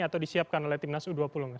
atau disiapkan oleh timnas u dua puluh mas